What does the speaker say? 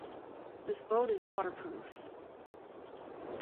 This boat is waterproof.